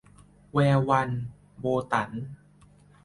แวววัน - โบตั๋น